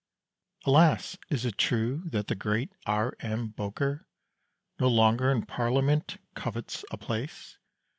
Alas! Is it true that the great R. M. Bowker No longer in Parliament covets a place?